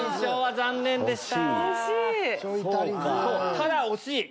ただ惜しい！